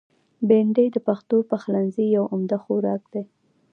بېنډۍ د پښتو پخلنځي یو عمده خوراک دی